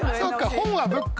本はブック。